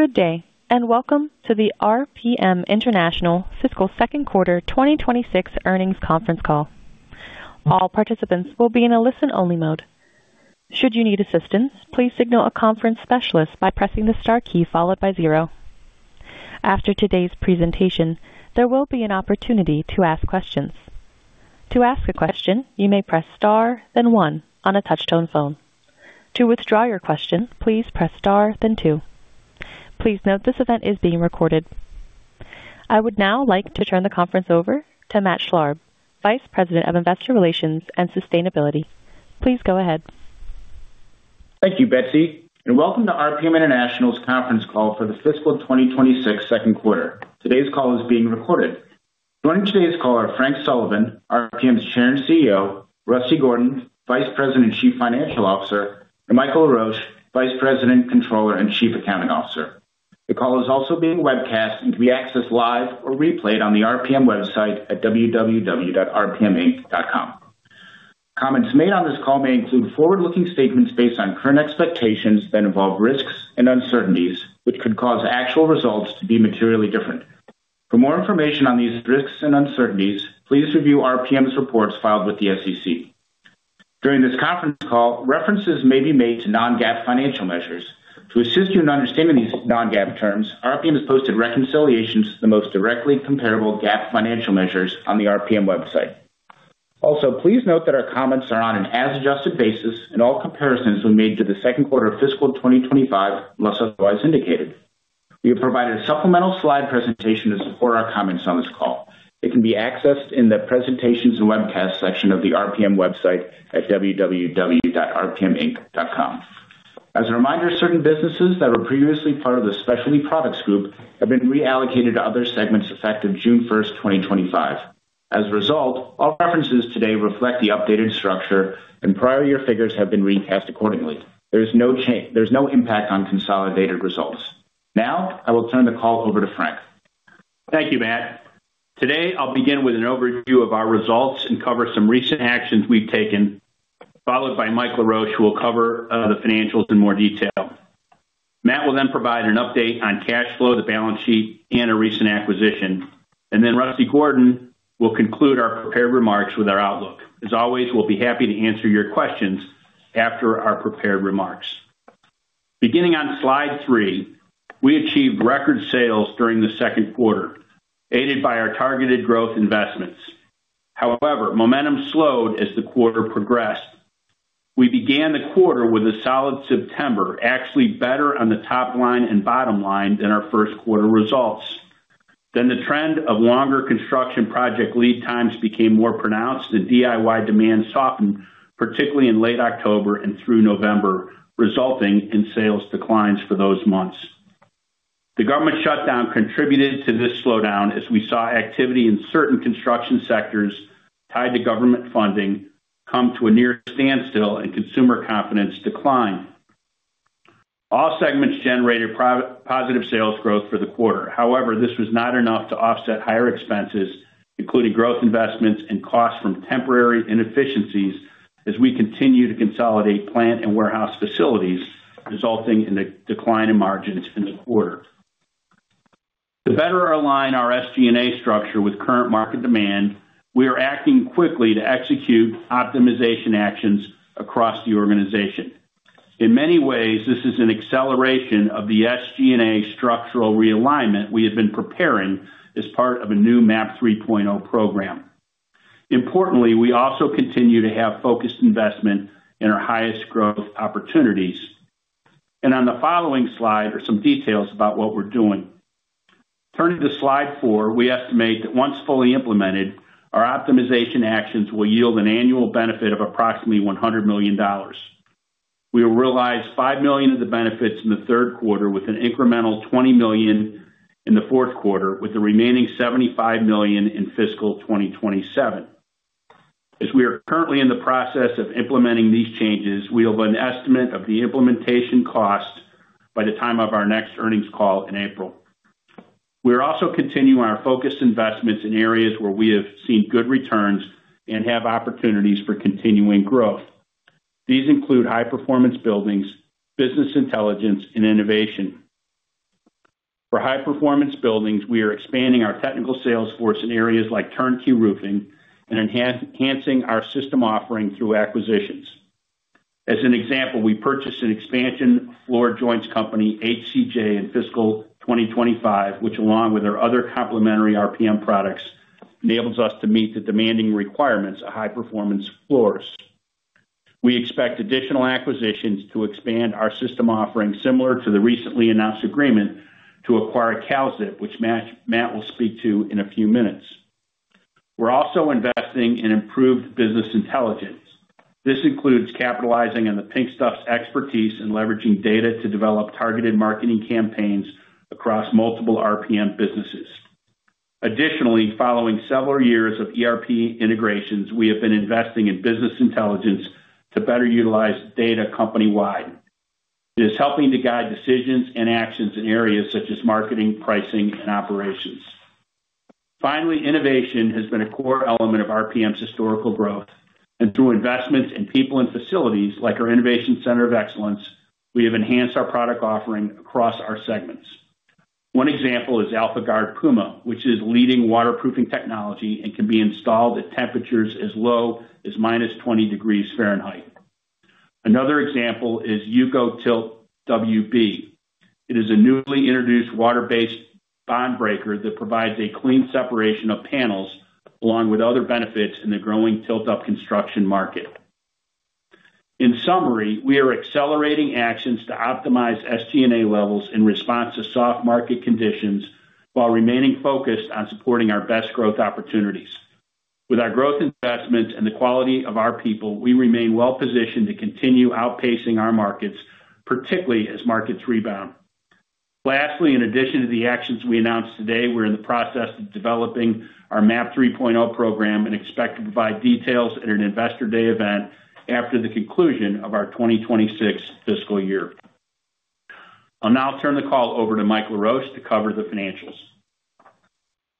Good day, and welcome to the RPM International Fiscal Second Quarter 2026 Earnings Conference Call. All participants will be in a listen-only mode. Should you need assistance, please signal a conference specialist by pressing the star key followed by zero. After today's presentation, there will be an opportunity to ask questions. To ask a question, you may press star, then one, on a touch-tone phone. To withdraw your question, please press star, then two. Please note this event is being recorded. I would now like to turn the conference over to Matt Schlarb, Vice President of Investor Relations and Sustainability. Please go ahead. Thank you, Betsy, and welcome to RPM International's conference call for the fiscal 2026 second quarter. Today's call is being recorded. Joining today's call are Frank Sullivan, RPM's Chair and CEO; Rusty Gordon, Vice President and Chief Financial Officer; and Michael Laroche, Vice President, Controller, and Chief Accounting Officer. The call is also being webcast and can be accessed live or replayed on the RPM website at www.rpminc.com. Comments made on this call may include forward-looking statements based on current expectations that involve risks and uncertainties, which could cause actual results to be materially different. For more information on these risks and uncertainties, please review RPM's reports filed with the SEC. During this conference call, references may be made to non-GAAP financial measures. To assist you in understanding these non-GAAP terms, RPM has posted reconciliations to the most directly comparable GAAP financial measures on the RPM website. Also, please note that our comments are on an as-adjusted basis, and all comparisons will be made to the second quarter of fiscal 2025 unless otherwise indicated. We have provided a supplemental slide presentation to support our comments on this call. It can be accessed in the Presentations and Webcasts section of the RPM website at www.rpminc.com. As a reminder, certain businesses that were previously part of the Specialty Products Group have been reallocated to other segments effective June 1, 2025. As a result, all references today reflect the updated structure, and prior year figures have been recast accordingly. There is no impact on consolidated results. Now, I will turn the call over to Frank. Thank you, Matt. Today, I'll begin with an overview of our results and cover some recent actions we've taken, followed by Mike Laroche, who will cover the financials in more detail. Matt will then provide an update on cash flow, the balance sheet, and a recent acquisition, and then Rusty Gordon will conclude our prepared remarks with our outlook. As always, we'll be happy to answer your questions after our prepared remarks. Beginning on slide three, we achieved record sales during the second quarter, aided by our targeted growth investments. However, momentum slowed as the quarter progressed. We began the quarter with a solid September, actually better on the top line and bottom line than our first quarter results. Then the trend of longer construction project lead times became more pronounced, and DIY demand softened, particularly in late October and through November, resulting in sales declines for those months. The government shutdown contributed to this slowdown, as we saw activity in certain construction sectors tied to government funding come to a near standstill and consumer confidence decline. All segments generated positive sales growth for the quarter. However, this was not enough to offset higher expenses, including growth investments and costs from temporary inefficiencies, as we continue to consolidate plant and warehouse facilities, resulting in a decline in margins in the quarter. To better align our SG&A structure with current market demand, we are acting quickly to execute optimization actions across the organization. In many ways, this is an acceleration of the SG&A structural realignment we have been preparing as part of a new MAP 3.0 program. Importantly, we also continue to have focused investment in our highest growth opportunities. And on the following slide are some details about what we're doing. Turning to slide four, we estimate that once fully implemented, our optimization actions will yield an annual benefit of approximately $100 million. We will realize $5 million of the benefits in the third quarter, with an incremental $20 million in the fourth quarter, with the remaining $75 million in fiscal 2027. As we are currently in the process of implementing these changes, we will have an estimate of the implementation cost by the time of our next earnings call in April. We are also continuing our focused investments in areas where we have seen good returns and have opportunities for continuing growth. These include high-performance buildings, business intelligence, and innovation. For high-performance buildings, we are expanding our technical sales force in areas like turnkey roofing and enhancing our system offering through acquisitions. As an example, we purchased an expansion floor joints company, HCJ, in fiscal 2025, which, along with our other complementary RPM products, enables us to meet the demanding requirements of high-performance floors. We expect additional acquisitions to expand our system offering, similar to the recently announced agreement to acquire Kalzip, which Matt will speak to in a few minutes. We're also investing in improved business intelligence. This includes capitalizing on The Pink Stuff's expertise and leveraging data to develop targeted marketing campaigns across multiple RPM businesses. Additionally, following several years of ERP integrations, we have been investing in business intelligence to better utilize data company-wide. It is helping to guide decisions and actions in areas such as marketing, pricing, and operations. Finally, innovation has been a core element of RPM's historical growth, and through investments in people and facilities like our Innovation Center of Excellence, we have enhanced our product offering across our segments. One example is AlphaGuard PUMA, which is leading waterproofing technology and can be installed at temperatures as low as minus 20 degrees Fahrenheit. Another example is EucoTilt WB. It is a newly introduced water-based bond breaker that provides a clean separation of panels, along with other benefits in the growing tilt-up construction market. In summary, we are accelerating actions to optimize SG&A levels in response to soft market conditions while remaining focused on supporting our best growth opportunities. With our growth investments and the quality of our people, we remain well-positioned to continue outpacing our markets, particularly as markets rebound. Lastly, in addition to the actions we announced today, we're in the process of developing our MAP 3.0 program and expect to provide details at an investor day event after the conclusion of our 2026 fiscal year. I'll now turn the call over to Mike Laroche to cover the financials.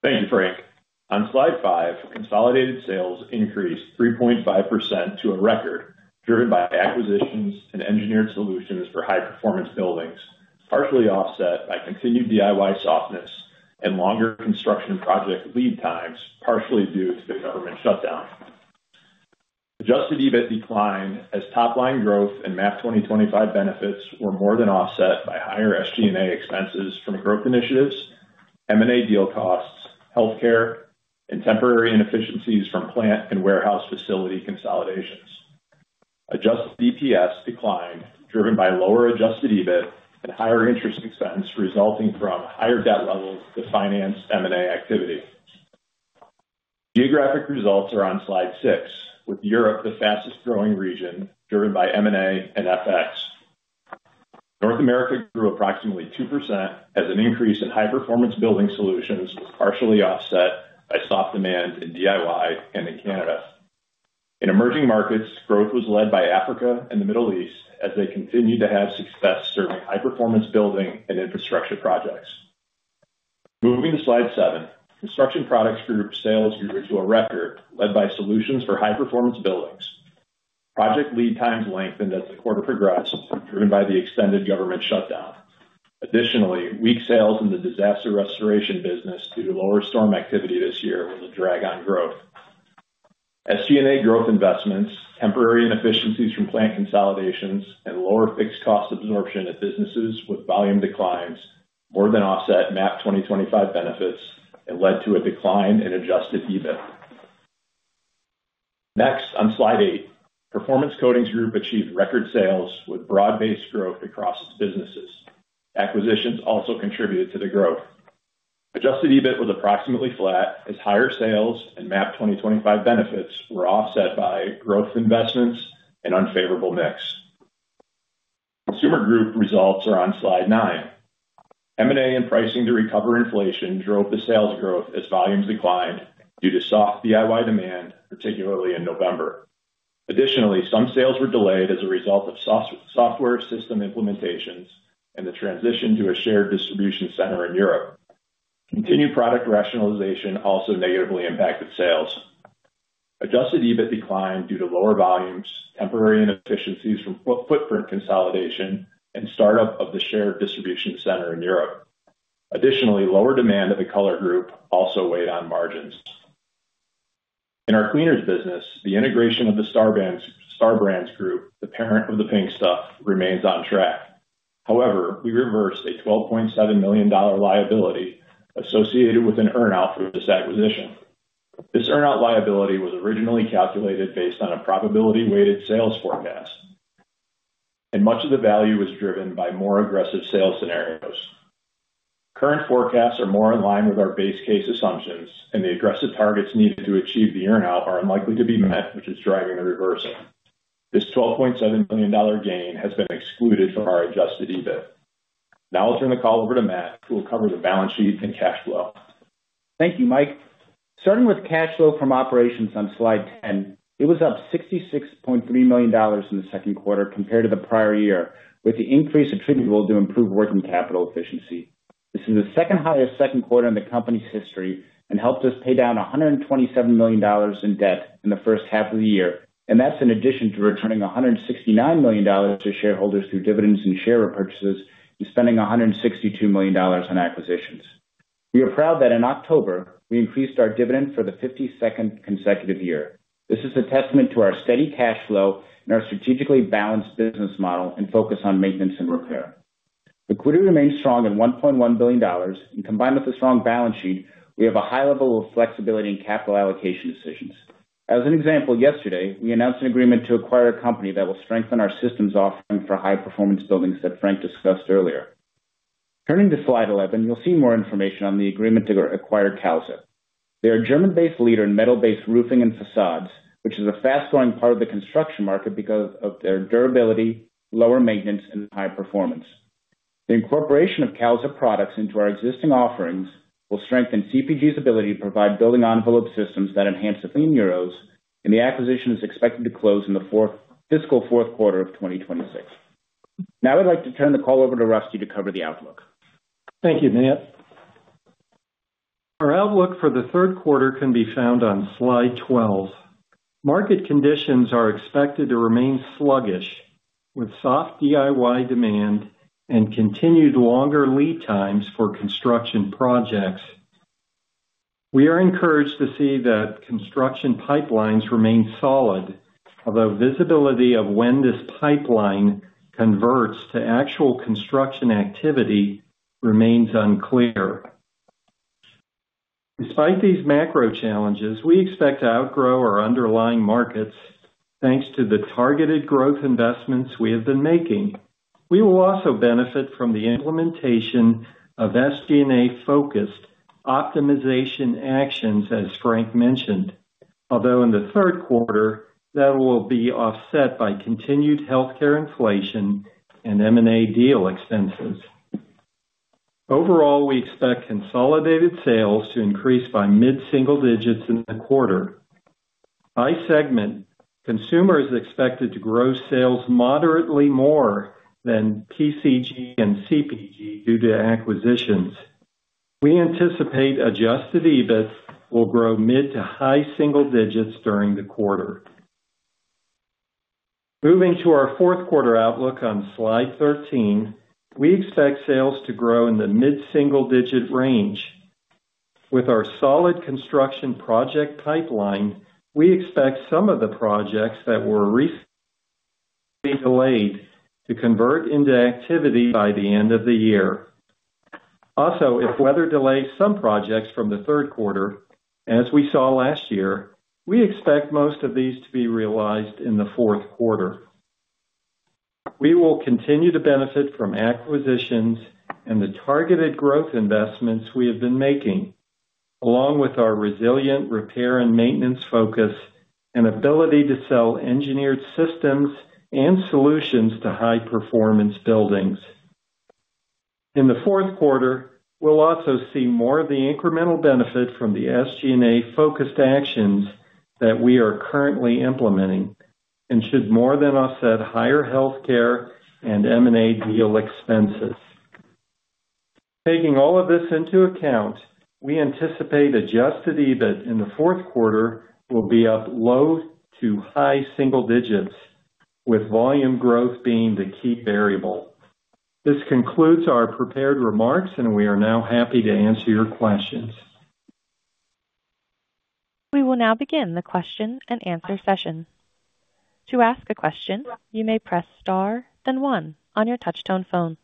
Thank you, Frank. On slide five, consolidated sales increased 3.5% to a record, driven by acquisitions and engineered solutions for high-performance buildings, partially offset by continued DIY softness and longer construction project lead times, partially due to the government shutdown. Adjusted EBIT declined as top-line growth and MAP 2025 benefits were more than offset by higher SG&A expenses from growth initiatives, M&A deal costs, healthcare, and temporary inefficiencies from plant and warehouse facility consolidations. Adjusted EPS declined, driven by lower adjusted EBIT and higher interest expense resulting from higher debt levels to finance M&A activity. Geographic results are on slide six, with Europe the fastest-growing region, driven by M&A and FX. North America grew approximately 2% as an increase in high-performance building solutions was partially offset by soft demand in DIY and in Canada. In emerging markets, growth was led by Africa and the Middle East as they continued to have success serving high-performance building and infrastructure projects. Moving to slide seven, Construction Products Group sales grew to a record, led by solutions for high-performance buildings. Project lead times lengthened as the quarter progressed, driven by the extended government shutdown. Additionally, weak sales in the disaster restoration business due to lower storm activity this year was a drag on growth. SG&A growth investments, temporary inefficiencies from plant consolidations, and lower fixed cost absorption at businesses with volume declines more than offset MAP 2025 benefits and led to a decline in Adjusted EBIT. Next, on slide eight, Performance Coatings Group achieved record sales with broad-based growth across businesses. Acquisitions also contributed to the growth. Adjusted EBIT was approximately flat as higher sales and MAP 2025 benefits were offset by growth investments and unfavorable mix. Consumer Group results are on slide nine. M&A and pricing to recover inflation drove the sales growth as volumes declined due to soft DIY demand, particularly in November. Additionally, some sales were delayed as a result of software system implementations and the transition to a shared distribution center in Europe. Continued product rationalization also negatively impacted sales. Adjusted EBIT declined due to lower volumes, temporary inefficiencies from footprint consolidation, and startup of the shared distribution center in Europe. Additionally, lower demand of the color group also weighed on margins. In our cleaners business, the integration of the Star Brands Group, the parent of The Pink Stuff, remains on track. However, we reversed a $12.7 million liability associated with an earnout for this acquisition. This earnout liability was originally calculated based on a probability-weighted sales forecast, and much of the value was driven by more aggressive sales scenarios. Current forecasts are more in line with our base case assumptions, and the aggressive targets needed to achieve the earnout are unlikely to be met, which is driving the reversal. This $12.7 million gain has been excluded from our adjusted EBIT. Now I'll turn the call over to Matt, who will cover the balance sheet and cash flow. Thank you, Mike. Starting with cash flow from operations on slide 10, it was up $66.3 million in the second quarter compared to the prior year, with the increase attributable to improved working capital efficiency. This is the second highest second quarter in the company's history and helped us pay down $127 million in debt in the first half of the year, and that's in addition to returning $169 million to shareholders through dividends and share repurchases and spending $162 million on acquisitions. We are proud that in October, we increased our dividend for the 52nd consecutive year. This is a testament to our steady cash flow and our strategically balanced business model and focus on maintenance and repair. Liquidity remains strong at $1.1 billion, and combined with a strong balance sheet, we have a high level of flexibility in capital allocation decisions. As an example, yesterday, we announced an agreement to acquire a company that will strengthen our systems offering for high-performance buildings that Frank discussed earlier. Turning to slide 11, you'll see more information on the agreement to acquire Kalzip. They are a German-based leader in metal-based roofing and facades, which is a fast-growing part of the construction market because of their durability, lower maintenance, and high performance. The incorporation of Kalzip products into our existing offerings will strengthen CPG's ability to provide building envelope systems that enhance. 150 million EUR, and the acquisition is expected to close in the fiscal fourth quarter of 2026. Now I'd like to turn the call over to Rusty to cover the outlook. Thank you, Matt. Our outlook for the third quarter can be found on slide 12. Market conditions are expected to remain sluggish, with soft DIY demand and continued longer lead times for construction projects. We are encouraged to see that construction pipelines remain solid, although visibility of when this pipeline converts to actual construction activity remains unclear. Despite these macro challenges, we expect to outgrow our underlying markets thanks to the targeted growth investments we have been making. We will also benefit from the implementation of SG&A-focused optimization actions, as Frank mentioned, although in the third quarter, that will be offset by continued healthcare inflation and M&A deal expenses. Overall, we expect consolidated sales to increase by mid-single digits in the quarter. By segment, consumers are expected to grow sales moderately more than PCG and CPG due to acquisitions. We anticipate Adjusted EBIT will grow mid to high single digits during the quarter. Moving to our fourth quarter outlook on slide 13, we expect sales to grow in the mid-single digit range. With our solid construction project pipeline, we expect some of the projects that were recently delayed to convert into activity by the end of the year. Also, if weather delays some projects from the third quarter, as we saw last year, we expect most of these to be realized in the fourth quarter. We will continue to benefit from acquisitions and the targeted growth investments we have been making, along with our resilient repair and maintenance focus and ability to sell engineered systems and solutions to high-performance buildings. In the fourth quarter, we'll also see more of the incremental benefit from the SG&A-focused actions that we are currently implementing and should more than offset higher healthcare and M&A deal expenses. Taking all of this into account, we anticipate adjusted EBIT in the fourth quarter will be up low to high single digits, with volume growth being the key variable. This concludes our prepared remarks, and we are now happy to answer your questions. We will now begin the question and answer session. To ask a question, you may press star, then one on your touchtone phone.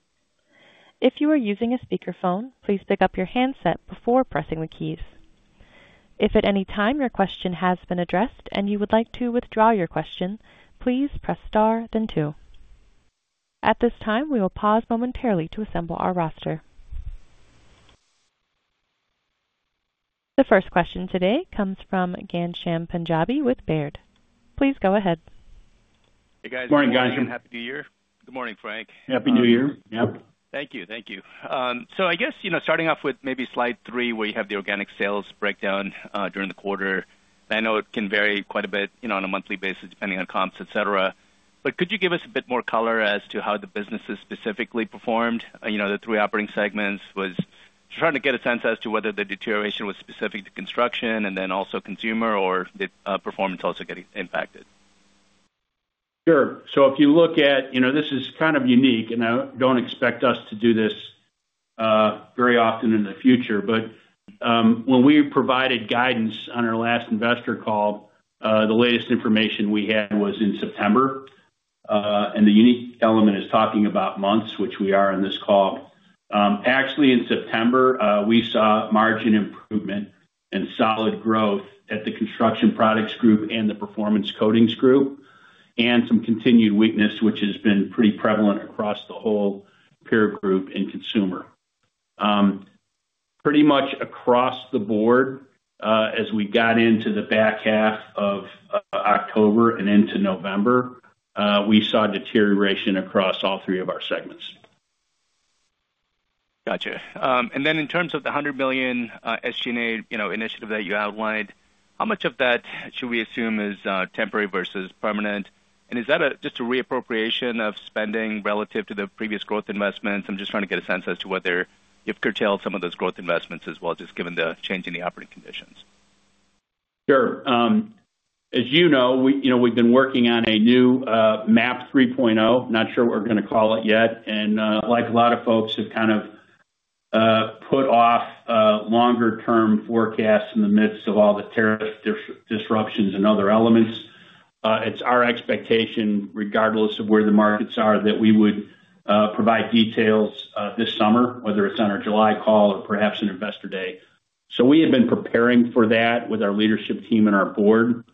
If you are using a speakerphone, please pick up your handset before pressing the keys. If at any time your question has been addressed and you would like to withdraw your question, please press star, then two. At this time, we will pause momentarily to assemble our roster. The first question today comes from Ghansham Panjabi with Baird. Please go ahead. Hey, guys. Good morning, Ghansham. Happy New Year. Good morning, Frank. Happy New Year. Yep. Thank you. Thank you. So I guess, you know, starting off with maybe slide three, where you have the organic sales breakdown during the quarter. I know it can vary quite a bit on a monthly basis, depending on comps, et cetera. But could you give us a bit more color as to how the businesses specifically performed, you know, the three operating segments? Was trying to get a sense as to whether the deterioration was specific to construction and then also consumer, or did performance also get impacted? Sure. So if you look at, you know, this is kind of unique, and I don't expect us to do this very often in the future, but when we provided guidance on our last investor call, the latest information we had was in September. And the unique element is talking about months, which we are in this call. Actually, in September, we saw margin improvement and solid growth at the Construction Products Group and the Performance Coatings Group, and some continued weakness, which has been pretty prevalent across the whole peer group and Consumer Group. Pretty much across the board, as we got into the back half of October and into November, we saw deterioration across all three of our segments. Gotcha. And then in terms of the $100 million SG&A initiative that you outlined, how much of that should we assume is temporary versus permanent? And is that just a reappropriation of spending relative to the previous growth investments? I'm just trying to get a sense as to whether you've curtailed some of those growth investments as well, just given the change in the operating conditions. Sure. As you know, we've been working on a new MAP 3.0, not sure what we're going to call it yet, and like a lot of folks have kind of put off longer-term forecasts in the midst of all the tariff disruptions and other elements, it's our expectation, regardless of where the markets are, that we would provide details this summer, whether it's on our July call or perhaps an investor day, so we have been preparing for that with our leadership team and our board,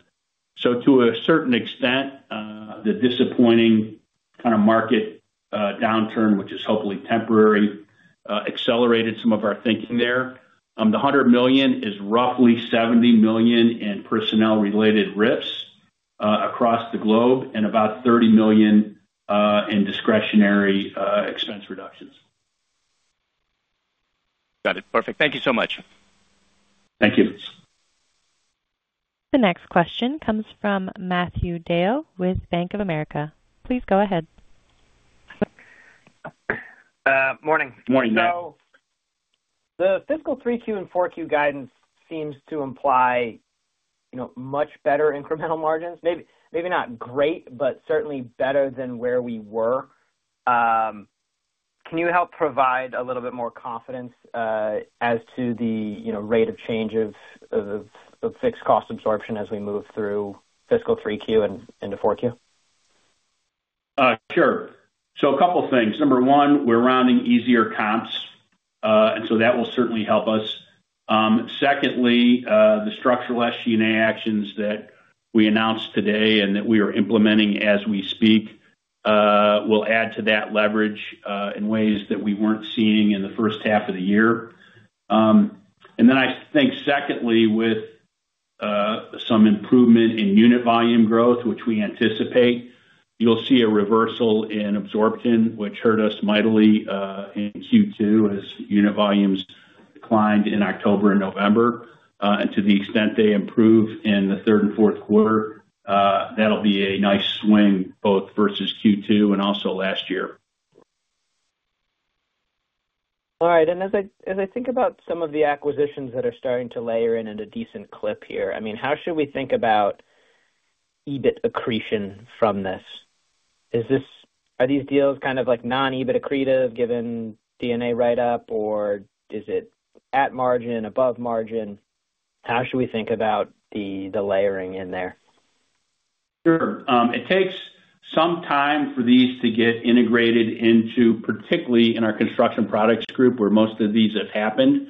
so to a certain extent, the disappointing kind of market downturn, which is hopefully temporary, accelerated some of our thinking there. The $100 million is roughly $70 million in personnel-related cuts across the globe and about $30 million in discretionary expense reductions. Got it. Perfect. Thank you so much. Thank you. The next question comes from Matthew DeYoe with Bank of America. Please go ahead. Morning. Morning, Matt. The fiscal three Q and four Q guidance seems to imply much better incremental margins. Maybe not great, but certainly better than where we were. Can you help provide a little bit more confidence as to the rate of change of fixed cost absorption as we move through fiscal three Q and into four Q? Sure. So a couple of things. Number one, we're rounding easier comps, and so that will certainly help us. Secondly, the structural SG&A actions that we announced today and that we are implementing as we speak will add to that leverage in ways that we weren't seeing in the first half of the year. And then I think secondly, with some improvement in unit volume growth, which we anticipate, you'll see a reversal in absorption, which hurt us mightily in Q2 as unit volumes declined in October and November. And to the extent they improve in the third and fourth quarter, that'll be a nice swing both versus Q2 and also last year. All right. And as I think about some of the acquisitions that are starting to layer in at a decent clip here, I mean, how should we think about EBIT accretion from this? Are these deals kind of like non-EBIT accretive given intangible write-up, or is it at margin, above margin? How should we think about the layering in there? Sure. It takes some time for these to get integrated into, particularly in our Construction Products Group, where most of these have happened.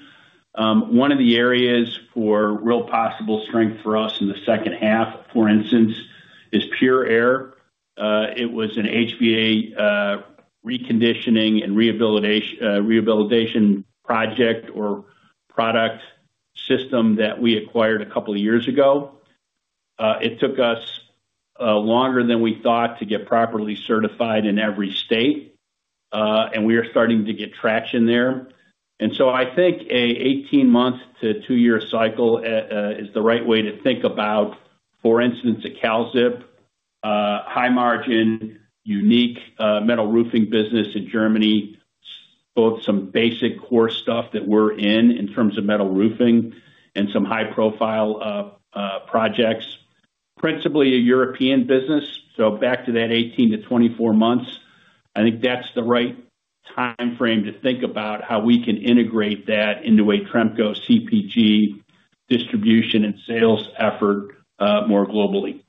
One of the areas for real possible strength for us in the second half, for instance, is Pure Air. It was an HVAC reconditioning and rehabilitation project or product system that we acquired a couple of years ago. It took us longer than we thought to get properly certified in every state, and we are starting to get traction there. And so I think an 18-month to two-year cycle is the right way to think about, for instance, a Kalzip, high-margin, unique metal roofing business in Germany, both some basic core stuff that we're in in terms of metal roofing and some high-profile projects. Principally a European business, so back to that 18-24 months, I think that's the right time frame to think about how we can integrate that into a Tremco CPG distribution and sales effort more globally.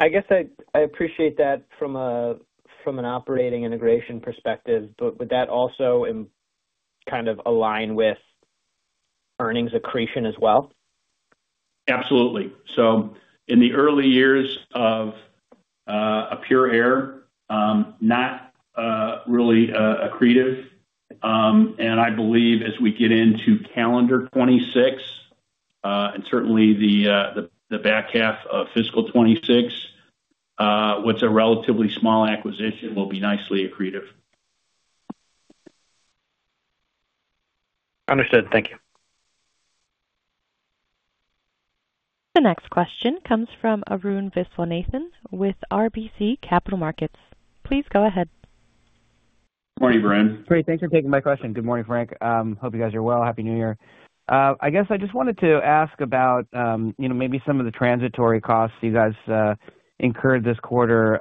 I guess I appreciate that from an operating integration perspective, but would that also kind of align with earnings accretion as well? Absolutely. So in the early years of Pure Air, not really accretive. And I believe as we get into calendar 2026 and certainly the back half of fiscal 2026, what's a relatively small acquisition will be nicely accretive. Understood. Thank you. The next question comes from Arun Viswanathan with RBC Capital Markets. Please go ahead. Good morning, Arun. Great. Thanks for taking my question. Good morning, Frank. Hope you guys are well. Happy New Year. I guess I just wanted to ask about maybe some of the transitory costs you guys incurred this quarter.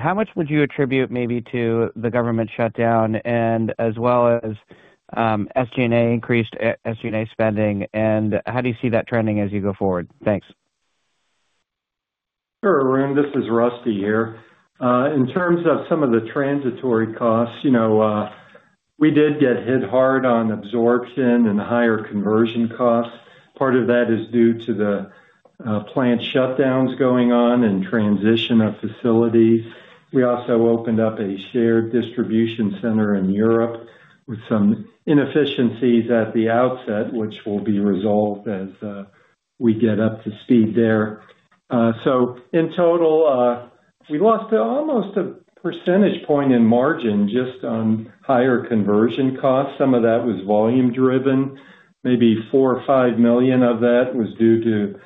How much would you attribute, maybe, to the government shutdown, and as well as SG&A, increased SG&A spending? And how do you see that trending as you go forward? Thanks. Sure, Arun. This is Rusty here. In terms of some of the transitory costs, we did get hit hard on absorption and higher conversion costs. Part of that is due to the plant shutdowns going on and transition of facilities. We also opened up a shared distribution center in Europe with some inefficiencies at the outset, which will be resolved as we get up to speed there. So in total, we lost almost a percentage point in margin just on higher conversion costs. Some of that was volume-driven. Maybe $4 million or $5 million of that was due to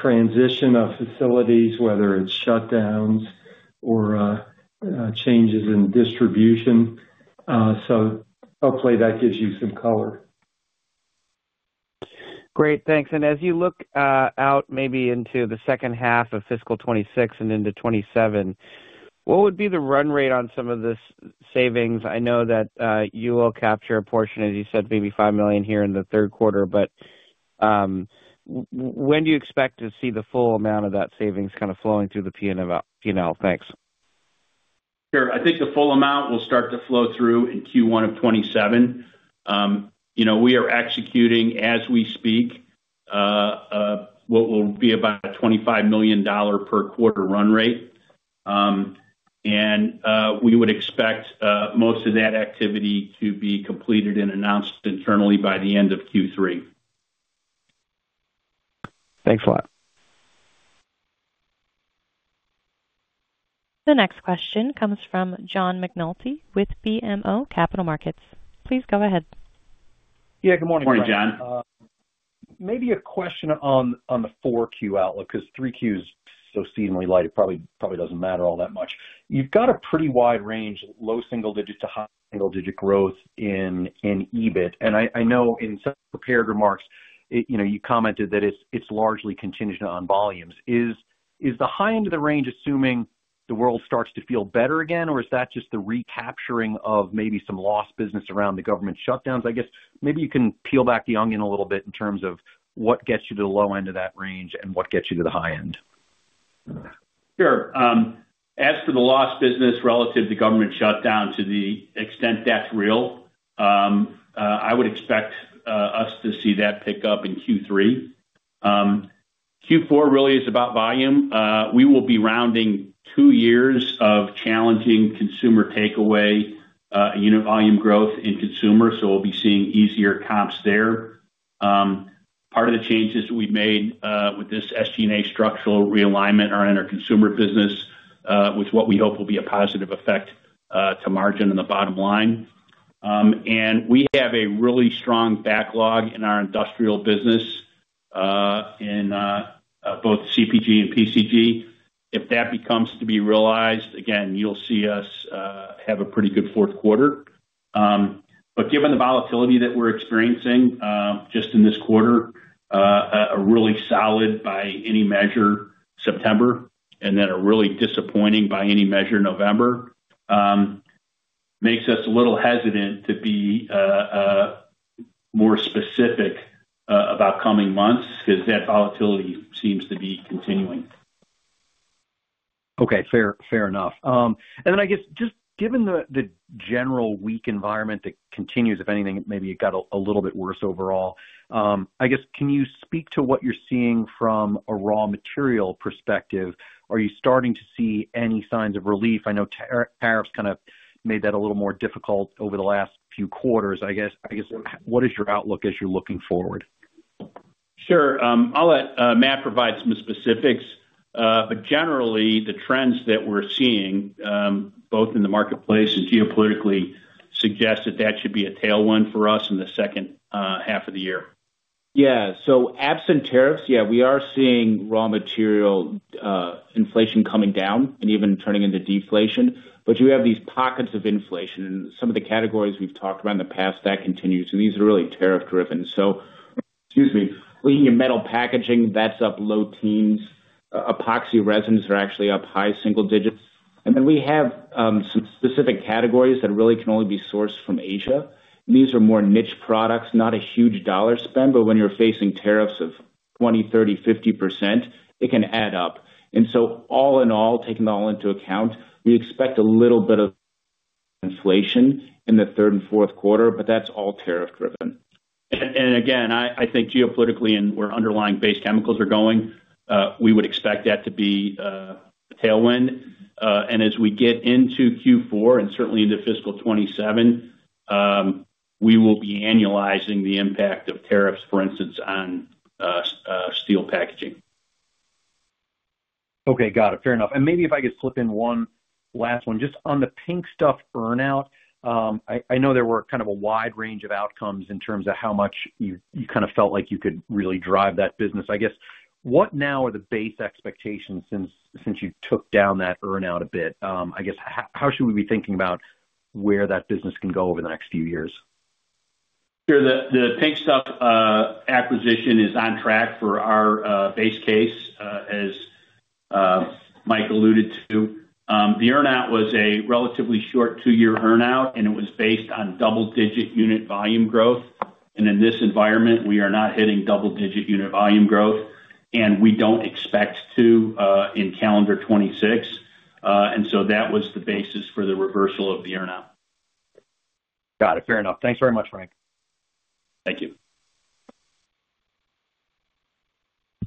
transition of facilities, whether it's shutdowns or changes in distribution. So hopefully that gives you some color. Great. Thanks. And as you look out maybe into the second half of fiscal 2026 and into 2027, what would be the run rate on some of this savings? I know that you will capture a portion, as you said, maybe $5 million here in the third quarter, but when do you expect to see the full amount of that savings kind of flowing through the P&L? Thanks. Sure. I think the full amount will start to flow through in Q1 of 2027. We are executing as we speak what will be about a $25 million per quarter run rate. And we would expect most of that activity to be completed and announced internally by the end of Q3. Thanks a lot. The next question comes from John McNulty with BMO Capital Markets. Please go ahead. Yeah. Good morning, John. Morning, John. Maybe a question on the 4Q outlook because 3Q is so seemingly light. It probably doesn't matter all that much. You've got a pretty wide range, low single-digit to high single-digit growth in EBIT. And I know in some prepared remarks, you commented that it's largely contingent on volumes. Is the high end of the range assuming the world starts to feel better again, or is that just the recapturing of maybe some lost business around the government shutdowns? I guess maybe you can peel back the onion a little bit in terms of what gets you to the low end of that range and what gets you to the high end. Sure. As for the lost business relative to government shutdown, to the extent that's real, I would expect us to see that pick up in Q3. Q4 really is about volume. We will be rounding two years of challenging consumer takeaway volume growth in consumer, so we'll be seeing easier comps there. Part of the changes we've made with this SG&A structural realignment are in our consumer business, which is what we hope will be a positive effect to margin and the bottom line. And we have a really strong backlog in our industrial business in both CPG and PCG. If that becomes to be realized, again, you'll see us have a pretty good fourth quarter. But given the volatility that we're experiencing just in this quarter, a really solid, by any measure, September, and then a really disappointing, by any measure, November makes us a little hesitant to be more specific about coming months because that volatility seems to be continuing. Okay. Fair enough. And then I guess just given the general weak environment that continues, if anything, maybe it got a little bit worse overall, I guess can you speak to what you're seeing from a raw material perspective? Are you starting to see any signs of relief? I know tariffs kind of made that a little more difficult over the last few quarters. I guess what is your outlook as you're looking forward? Sure. I'll let Matt provide some specifics. But generally, the trends that we're seeing both in the marketplace and geopolitically suggest that that should be a tailwind for us in the second half of the year. Yeah. So absent tariffs, yeah, we are seeing raw material inflation coming down and even turning into deflation. But you have these pockets of inflation, and some of the categories we've talked about in the past, that continues. And these are really tariff-driven. So excuse me, linings in metal packaging, that's up low teens. Epoxy resins are actually up high single digits. And then we have some specific categories that really can only be sourced from Asia. These are more niche products, not a huge dollar spend, but when you're facing tariffs of 20%, 30%, 50%, it can add up. And so all in all, taking that all into account, we expect a little bit of inflation in the third and fourth quarter, but that's all tariff-driven. And again, I think geopolitically and where underlying-based chemicals are going, we would expect that to be a tailwind. And as we get into Q4 and certainly into fiscal 2027, we will be annualizing the impact of tariffs, for instance, on steel packaging. Okay. Got it. Fair enough. And maybe if I could slip in one last one, just on the Pink Stuff earnout, I know there were kind of a wide range of outcomes in terms of how much you kind of felt like you could really drive that business. I guess what now are the base expectations since you took down that earnout a bit? I guess how should we be thinking about where that business can go over the next few years? Sure. The Pink Stuff acquisition is on track for our base case, as Mike alluded to. The earnout was a relatively short two-year earnout, and it was based on double-digit unit volume growth. And in this environment, we are not hitting double-digit unit volume growth, and we don't expect to in calendar 2026. And so that was the basis for the reversal of the earnout. Got it. Fair enough. Thanks very much, Frank. Thank you.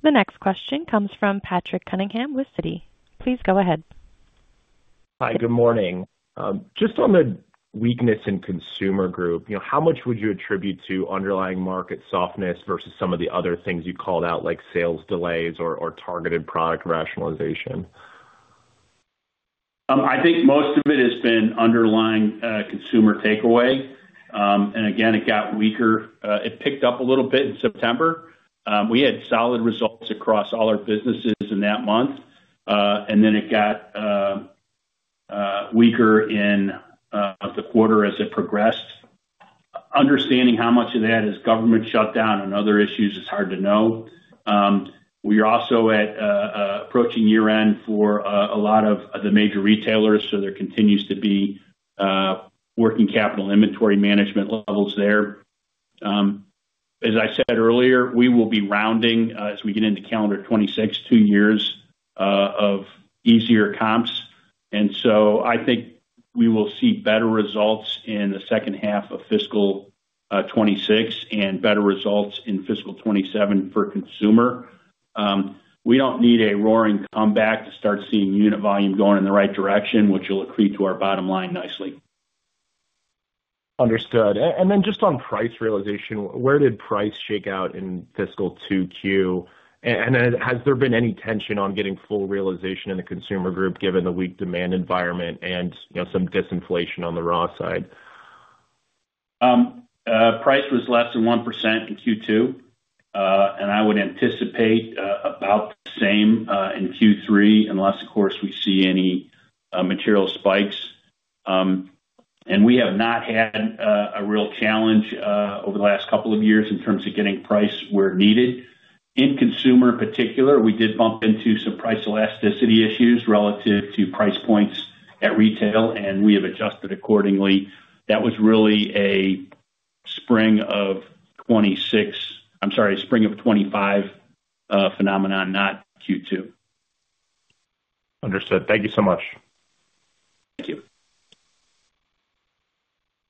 The next question comes from Patrick Cunningham with Citi. Please go ahead. Hi. Good morning. Just on the weakness in Consumer Group, how much would you attribute to underlying market softness versus some of the other things you called out like sales delays or targeted product rationalization? I think most of it has been underlying consumer takeaway. Again, it got weaker. It picked up a little bit in September. We had solid results across all our businesses in that month, and then it got weaker in the quarter as it progressed. Understanding how much of that is government shutdown and other issues is hard to know. We are also approaching year-end for a lot of the major retailers, so there continues to be working capital inventory management levels there. As I said earlier, we will be rounding as we get into calendar 2026, two years of easier comps. So I think we will see better results in the second half of fiscal 2026 and better results in fiscal 2027 for consumer. We don't need a roaring comeback to start seeing unit volume going in the right direction, which will accrete to our bottom line nicely. Understood. And then just on price realization, where did price shake out in fiscal 2Q? And has there been any tension on getting full realization in the Consumer Group given the weak demand environment and some disinflation on the raw side? Price was less than 1% in Q2, and I would anticipate about the same in Q3 unless, of course, we see any material spikes. We have not had a real challenge over the last couple of years in terms of getting price where needed. In consumer in particular, we did bump into some price elasticity issues relative to price points at retail, and we have adjusted accordingly. That was really a spring of 2026. I'm sorry, a spring of 2025 phenomenon, not Q2. Understood. Thank you so much. Thank you.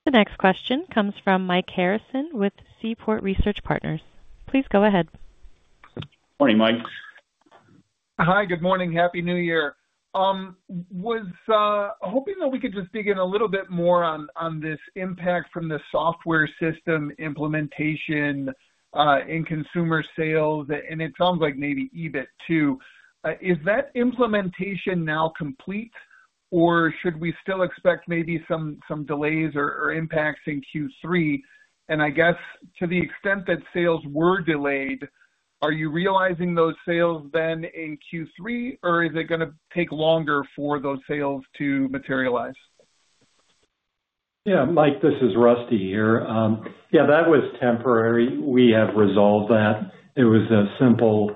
The next question comes from Mike Harrison with Seaport Research Partners. Please go ahead. Morning, Mike. Hi. Good morning. Happy New Year. I was hoping that we could just dig in a little bit more on this impact from the software system implementation in consumer sales, and it sounds like maybe EBIT too. Is that implementation now complete, or should we still expect maybe some delays or impacts in Q3? And I guess to the extent that sales were delayed, are you realizing those sales then in Q3, or is it going to take longer for those sales to materialize? Yeah. Mike, this is Rusty here. Yeah, that was temporary. We have resolved that. It was a simple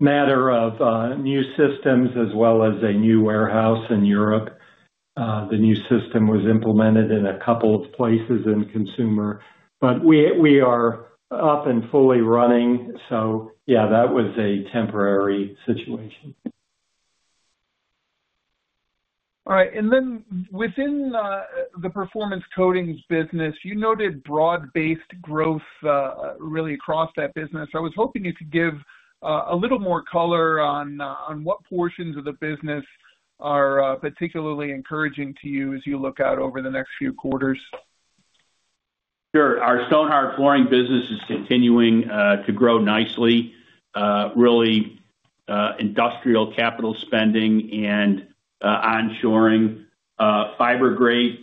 matter of new systems as well as a new warehouse in Europe. The new system was implemented in a couple of places in consumer, but we are up and fully running. So yeah, that was a temporary situation. All right. And then within the performance coatings business, you noted broad-based growth really across that business. I was hoping you could give a little more color on what portions of the business are particularly encouraging to you as you look out over the next few quarters. Sure. Our Stonhard Flooring business is continuing to grow nicely. Really, industrial capital spending and onshoring. Fibergrate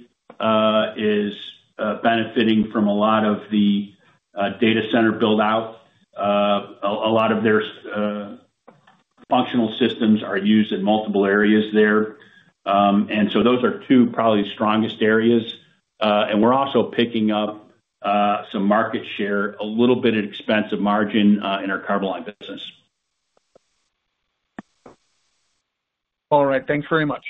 is benefiting from a lot of the data center buildout. A lot of their functional systems are used in multiple areas there. And so those are two probably strongest areas. And we're also picking up some market share, a little bit at expense of margin in our Carboline business. All right. Thanks very much.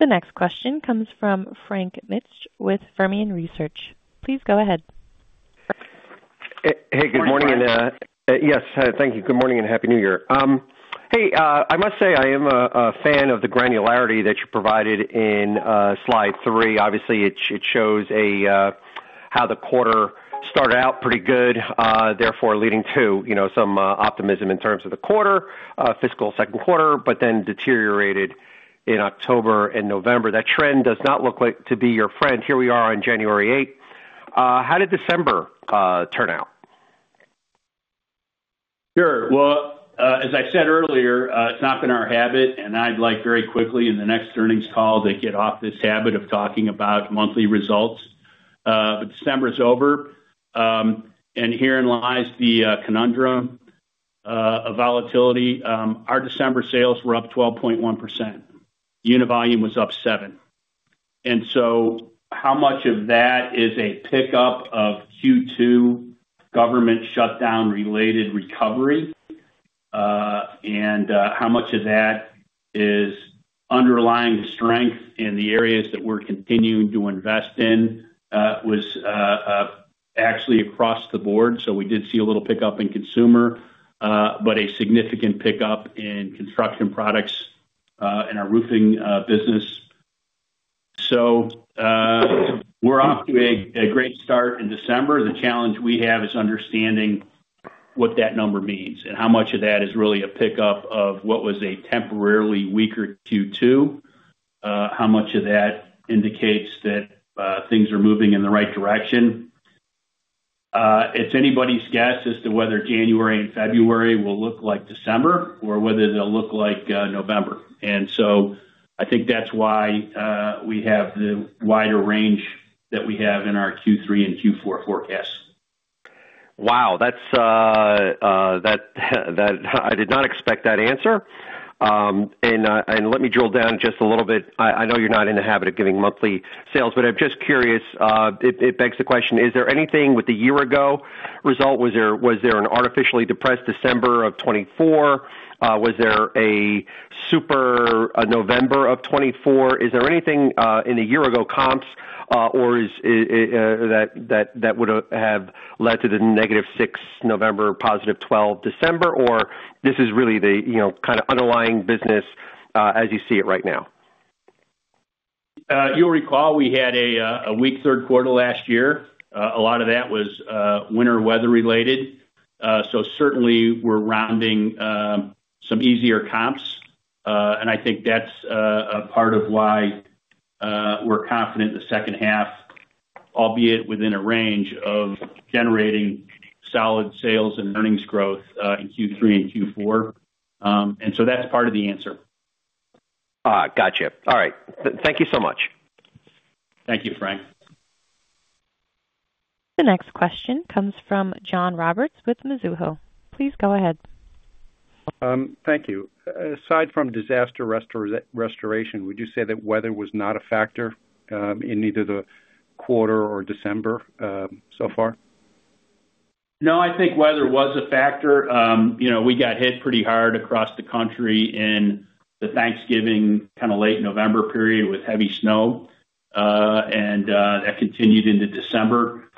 The next question comes from Frank Mitsch with Fermium Research. Please go ahead. Hey. Good morning. Yes. Thank you. Good morning and happy New Year. Hey, I must say I am a fan of the granularity that you provided in slide three. Obviously, it shows how the quarter started out pretty good, therefore leading to some optimism in terms of the quarter, fiscal second quarter, but then deteriorated in October and November. That trend does not look like to be your friend. Here we are on January 8th. How did December turn out? Sure, well, as I said earlier, it's not been our habit, and I'd like very quickly in the next earnings call to get off this habit of talking about monthly results, but December is over, and herein lies the conundrum of volatility. Our December sales were up 12.1%. Unit volume was up seven%, and so how much of that is a pickup of Q2 government shutdown-related recovery, and how much of that is underlying strength in the areas that we're continuing to invest in? Was actually across the board, so we did see a little pickup in consumer, but a significant pickup in construction products and our roofing business, so we're off to a great start in December. The challenge we have is understanding what that number means and how much of that is really a pickup of what was a temporarily weaker Q2, how much of that indicates that things are moving in the right direction. It's anybody's guess as to whether January and February will look like December or whether they'll look like November. And so I think that's why we have the wider range that we have in our Q3 and Q4 forecasts. Wow. I did not expect that answer. And let me drill down just a little bit. I know you're not in the habit of giving monthly sales, but I'm just curious. It begs the question, is there anything with the year-ago result? Was there an artificially depressed December of 2024? Was there a super November of 2024? Is there anything in the year-ago comps or that would have led to the negative 6 November, positive 12 December, or this is really the kind of underlying business as you see it right now? You'll recall we had a weak third quarter last year. A lot of that was winter weather related. So certainly, we're rounding some easier comps, and I think that's a part of why we're confident in the second half, albeit within a range of generating solid sales and earnings growth in Q3 and Q4. And so that's part of the answer. Gotcha. All right. Thank you so much. Thank you, Frank. The next question comes from John Roberts with Mizuho. Please go ahead. Thank you. Aside from disaster restoration, would you say that weather was not a factor in either the quarter or December so far? No, I think weather was a factor. We got hit pretty hard across the country in the Thanksgiving, kind of late November period with heavy snow, and that continued into December.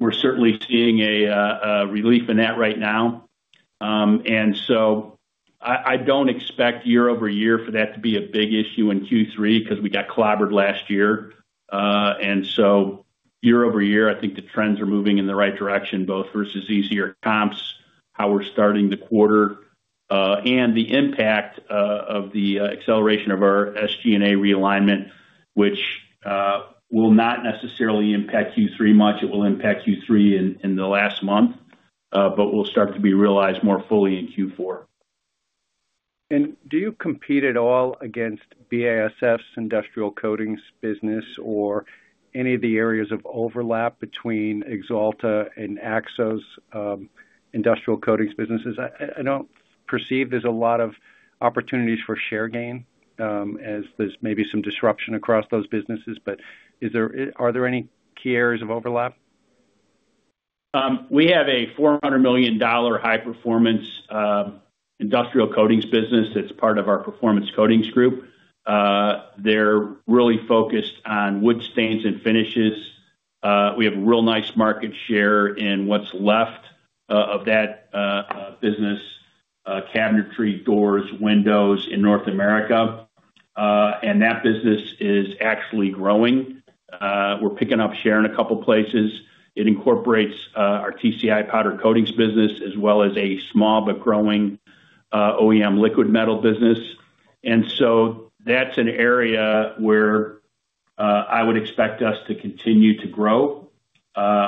We're certainly seeing a relief in that right now, and so I don't expect year-over-year for that to be a big issue in Q3 because we got clobbered last year, and so year-over-year, I think the trends are moving in the right direction, both versus easier comps, how we're starting the quarter, and the impact of the acceleration of our SG&A realignment, which will not necessarily impact Q3 much. It will impact Q3 in the last month, but will start to be realized more fully in Q4. And do you compete at all against BASF's industrial coatings business or any of the areas of overlap between Axalta and AkzoNobel industrial coatings businesses? I don't perceive there's a lot of opportunities for share gain as there's maybe some disruption across those businesses, but are there any key areas of overlap? We have a $400 million high-performance industrial coatings business that's part of our performance coatings group. They're really focused on wood stains and finishes. We have a real nice market share in what's left of that business, cabinetry, doors, windows in North America, and that business is actually growing. We're picking up share in a couple of places. It incorporates our TCI Powder Coatings business as well as a small but growing OEM liquid metal business. And so that's an area where I would expect us to continue to grow.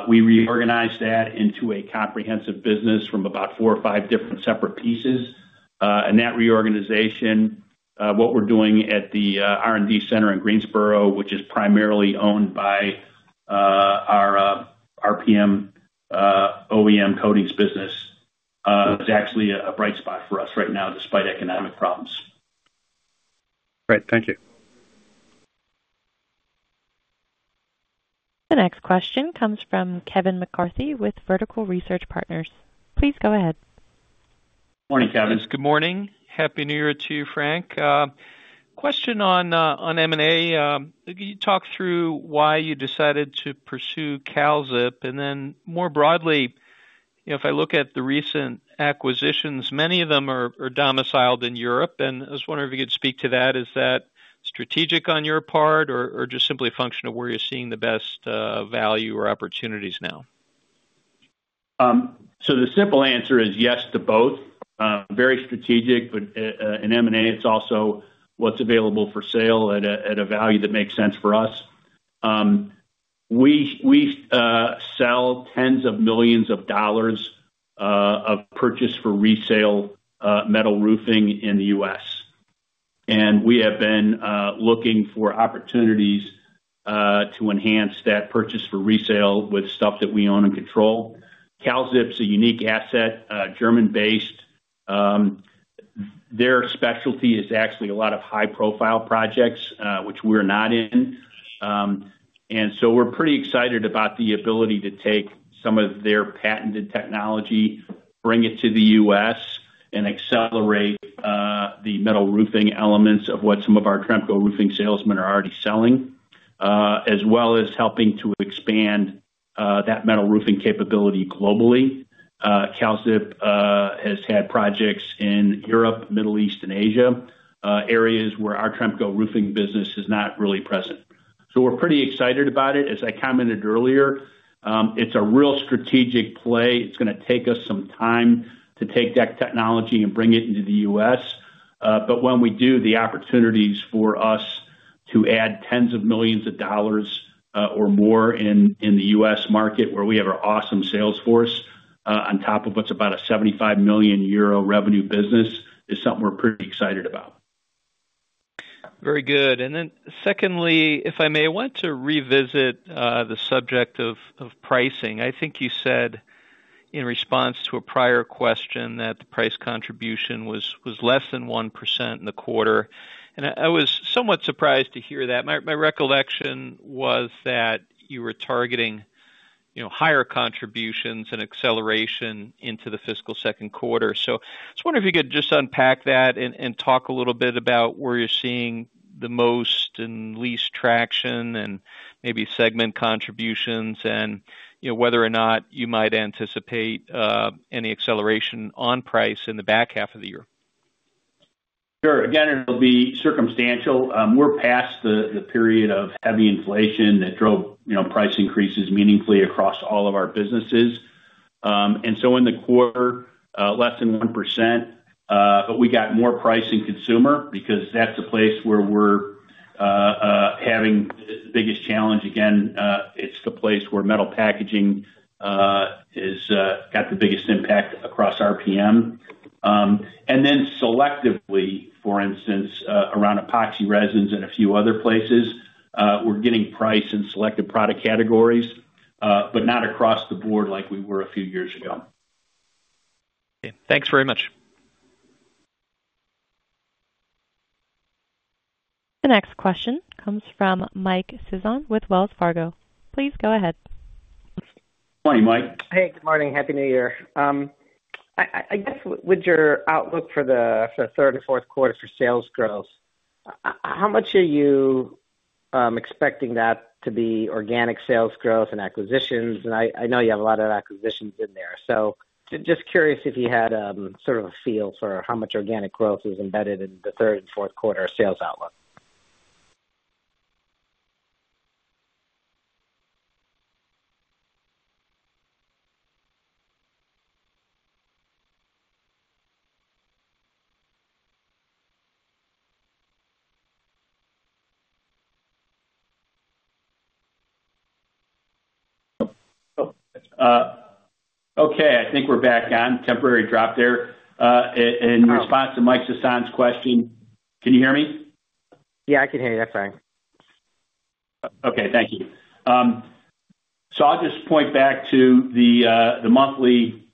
We reorganized that into a comprehensive business from about four or five different separate pieces. And that reorganization, what we're doing at the R&D Center in Greensboro, which is primarily owned by our RPM OEM coatings business, is actually a bright spot for us right now despite economic problems. Great. Thank you. The next question comes from Kevin McCarthy with Vertical Research Partners. Please go ahead. Morning, Kevin. Good morning. Happy New Year to you, Frank. Question on M&A. Can you talk through why you decided to pursue Kalzip? And then more broadly, if I look at the recent acquisitions, many of them are domiciled in Europe. And I was wondering if you could speak to that. Is that strategic on your part or just simply a function of where you're seeing the best value or opportunities now? So the simple answer is yes to both. Very strategic, but in M&A, it's also what's available for sale at a value that makes sense for us. We sell tens of millions of dollars of purchase-for-resale metal roofing in the U.S., and we have been looking for opportunities to enhance that purchase-for-resale with stuff that we own and control. Kalzip's a unique asset, German-based. Their specialty is actually a lot of high-profile projects, which we're not in. And so we're pretty excited about the ability to take some of their patented technology, bring it to the U.S., and accelerate the metal roofing elements of what some of our Tremco roofing salesmen are already selling, as well as helping to expand that metal roofing capability globally. Kalzip has had projects in Europe, Middle East, and Asia, areas where our Tremco roofing business is not really present. So we're pretty excited about it. As I commented earlier, it's a real strategic play. It's going to take us some time to take that technology and bring it into the U.S. But when we do, the opportunities for us to add tens of millions of dollars or more in the U.S. market, where we have our awesome sales force on top of what's about a 75 million euro revenue business, is something we're pretty excited about. Very good. And then secondly, if I may, I want to revisit the subject of pricing. I think you said in response to a prior question that the price contribution was less than 1% in the quarter. And I was somewhat surprised to hear that. My recollection was that you were targeting higher contributions and acceleration into the fiscal second quarter. So I was wondering if you could just unpack that and talk a little bit about where you're seeing the most and least traction and maybe segment contributions and whether or not you might anticipate any acceleration on price in the back half of the year. Sure. Again, it'll be circumstantial. We're past the period of heavy inflation that drove price increases meaningfully across all of our businesses. And so in the quarter, less than 1%, but we got more price and consumer because that's a place where we're having the biggest challenge. Again, it's the place where metal packaging has got the biggest impact across RPM. And then selectively, for instance, around epoxy resins and a few other places, we're getting price in selected product categories, but not across the board like we were a few years ago. Okay. Thanks very much. The next question comes from Mike Sison with Wells Fargo. Please go ahead. Good morning, Mike. Hey, good morning. Happy New Year. I guess with your outlook for the third and fourth quarter for sales growth, how much are you expecting that to be organic sales growth and acquisitions? And I know you have a lot of acquisitions in there. So just curious if you had sort of a feel for how much organic growth is embedded in the third and fourth quarter sales outlook. Okay. I think we're back on. Temporary drop there. In response to Mike Sison's question, can you hear me? Yeah, I can hear you. That's fine. Okay. Thank you. So I'll just point back to the monthly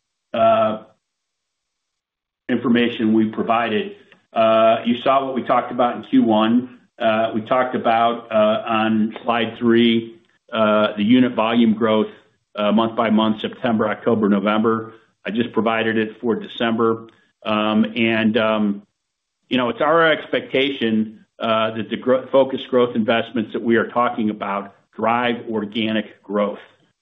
information we provided. You saw what we talked about in Q1. We talked about on slide three, the unit volume growth month by month, September, October, November. I just provided it for December. And it's our expectation that the focus growth investments that we are talking about drive organic growth.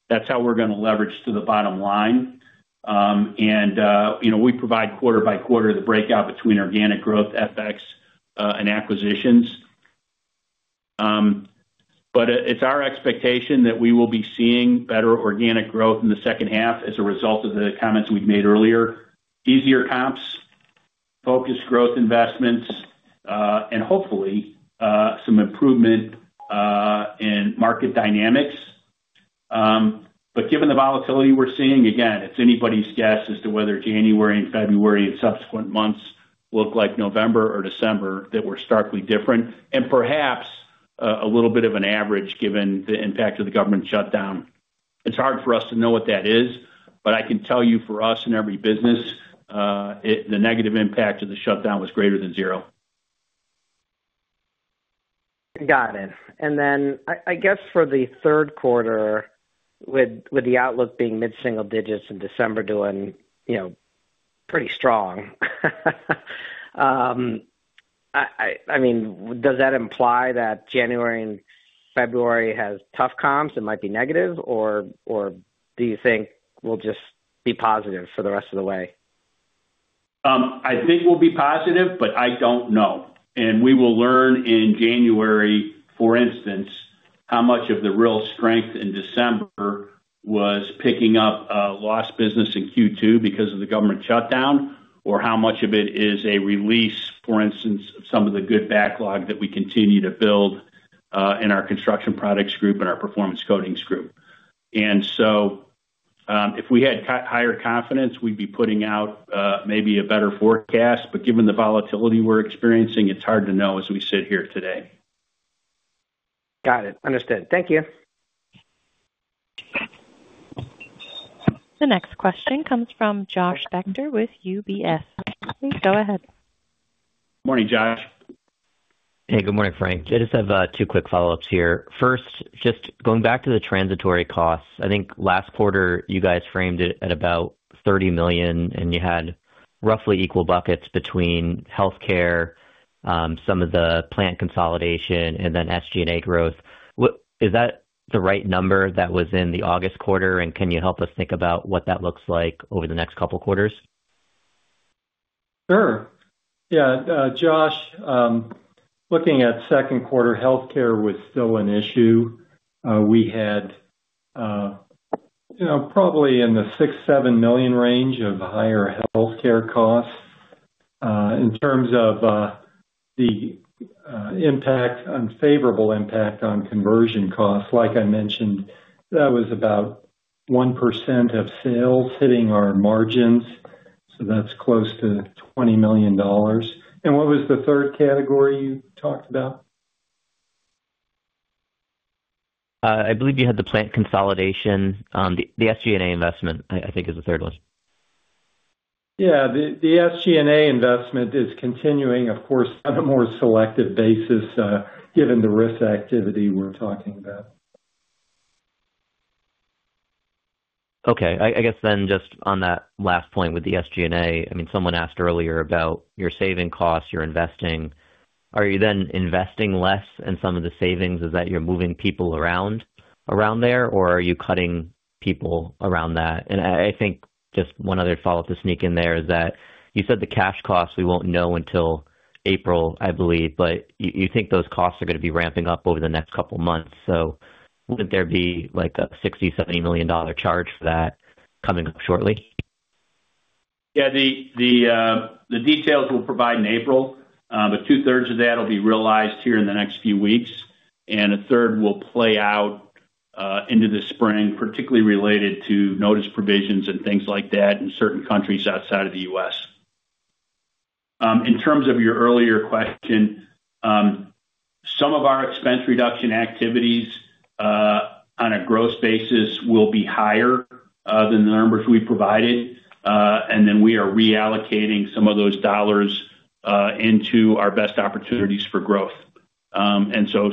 That's how we're going to leverage to the bottom line. And we provide quarter-by-quarter the breakout between organic growth, FX, and acquisitions. But it's our expectation that we will be seeing better organic growth in the second half as a result of the comments we've made earlier, easier comps, focus growth investments, and hopefully some improvement in market dynamics. But given the volatility we're seeing, again, it's anybody's guess as to whether January and February and subsequent months look like November or December that we're starkly different and perhaps a little bit of an average given the impact of the government shutdown. It's hard for us to know what that is, but I can tell you for us in every business, the negative impact of the shutdown was greater than zero. Got it. And then I guess for the third quarter, with the outlook being mid-single digits and December doing pretty strong, I mean, does that imply that January and February has tough comps and might be negative, or do you think we'll just be positive for the rest of the way? I think we'll be positive, but I don't know. And we will learn in January, for instance, how much of the real strength in December was picking up lost business in Q2 because of the government shutdown, or how much of it is a release, for instance, of some of the good backlog that we continue to build in our Construction Products Group and our Performance Coatings Group. And so if we had higher confidence, we'd be putting out maybe a better forecast. But given the volatility we're experiencing, it's hard to know as we sit here today. Got it. Understood. Thank you. The next question comes from Josh Spector with UBS. Please go ahead. Good morning, Josh. Hey, good morning, Frank. I just have two quick follow-ups here. First, just going back to the transitory costs, I think last quarter you guys framed it at about $30 million, and you had roughly equal buckets between healthcare, some of the plant consolidation, and then SG&A growth. Is that the right number that was in the August quarter? And can you help us think about what that looks like over the next couple of quarters? Sure. Yeah. Josh, looking at second quarter, healthcare was still an issue. We had probably in the six-seven million range of higher healthcare costs. In terms of the impact, unfavorable impact on conversion costs, like I mentioned, that was about 1% of sales hitting our margins. So that's close to $20 million. And what was the third category you talked about? I believe you had the plant consolidation. The SG&A investment, I think, is the third one. Yeah. The SG&A investment is continuing, of course, on a more selective basis given the risk activity we're talking about. Okay. I guess then just on that last point with the SG&A, I mean, someone asked earlier about your saving costs, your investing. Are you then investing less in some of the savings? Is that you're moving people around there, or are you cutting people around that? And I think just one other follow-up to sneak in there is that you said the cash costs, we won't know until April, I believe, but you think those costs are going to be ramping up over the next couple of months. So wouldn't there be a $60-$70 million charge for that coming up shortly? Yeah. The details we'll provide in April, but two-thirds of that will be realized here in the next few weeks, and a third will play out into the spring, particularly related to notice provisions and things like that in certain countries outside of the U.S. In terms of your earlier question, some of our expense reduction activities on a gross basis will be higher than the numbers we provided, and then we are reallocating some of those dollars into our best opportunities for growth, and so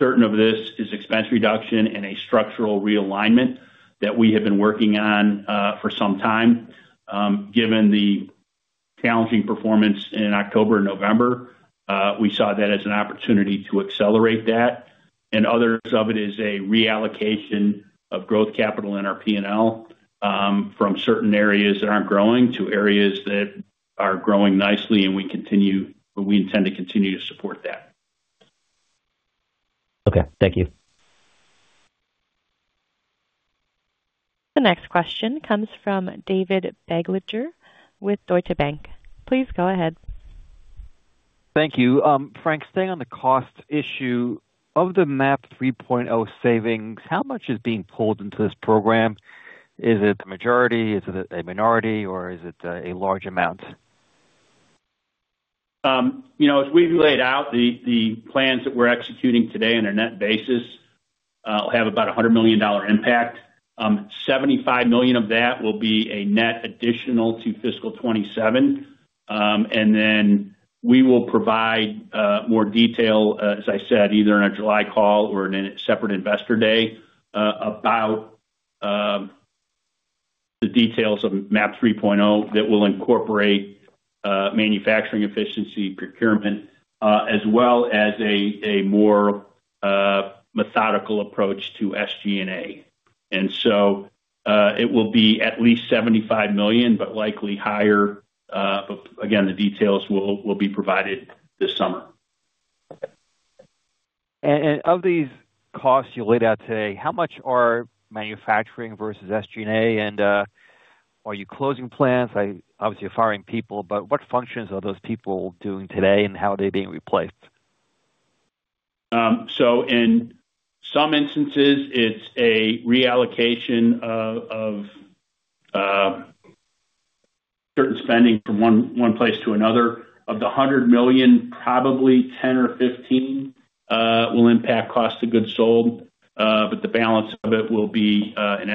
certain of this is expense reduction and a structural realignment that we have been working on for some time. Given the challenging performance in October and November, we saw that as an opportunity to accelerate that. Others of it is a reallocation of growth capital in our P&L from certain areas that aren't growing to areas that are growing nicely, and we intend to continue to support that. Okay. Thank you. The next question comes from David Begleiter with Deutsche Bank. Please go ahead. Thank you. Frank, staying on the cost issue, of the MAP 3.0 savings, how much is being pulled into this program? Is it the majority? Is it a minority? Or is it a large amount? As we've laid out, the plans that we're executing today on a net basis will have about a $100 million impact. $75 million of that will be a net additional to fiscal 2027. And then we will provide more detail, as I said, either in a July call or in a separate investor day about the details of MAP 3.0 that will incorporate manufacturing efficiency procurement, as well as a more methodical approach to SG&A. And so it will be at least $75 million, but likely higher. But again, the details will be provided this summer. Of these costs you laid out today, how much are manufacturing versus SG&A? Are you closing plants? Obviously, you're firing people, but what functions are those people doing today, and how are they being replaced? In some instances, it's a reallocation of certain spending from one place to another. Of the $100 million, probably $10 million or $15 million will impact cost of goods sold, but the balance of it will be in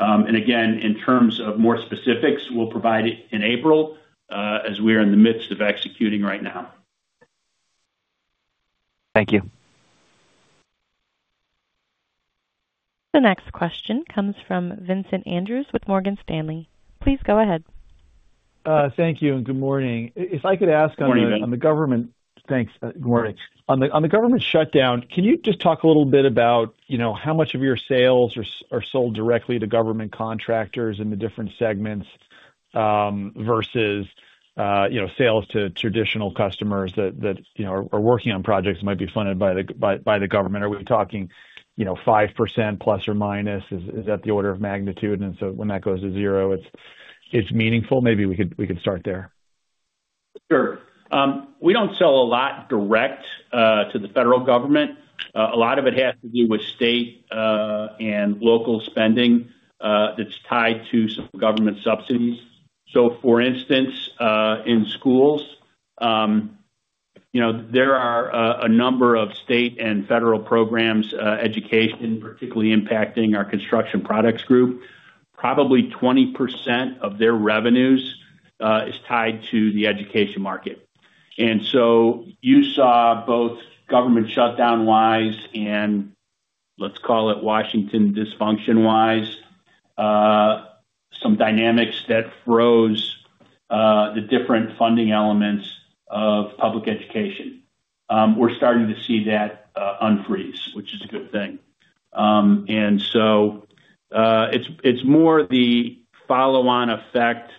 SG&A. Again, in terms of more specifics, we'll provide it in April as we are in the midst of executing right now. Thank you. The next question comes from Vincent Andrews with Morgan Stanley. Please go ahead. Thank you. And good morning. If I could ask on the government? Morning, Vince. Thanks. Good morning. On the government shutdown, can you just talk a little bit about how much of your sales are sold directly to government contractors in the different segments versus sales to traditional customers that are working on projects that might be funded by the government? Are we talking 5% plus or minus? Is that the order of magnitude? And so when that goes to zero, it's meaningful? Maybe we could start there. Sure. We don't sell a lot direct to the federal government. A lot of it has to do with state and local spending that's tied to some government subsidies. So for instance, in schools, there are a number of state and federal programs, education particularly impacting our Construction Products Group. Probably 20% of their revenues is tied to the education market. And so you saw both government shutdown-wise and let's call it Washington dysfunction-wise, some dynamics that froze the different funding elements of public education. We're starting to see that unfreeze, which is a good thing. And so it's more the follow-on effect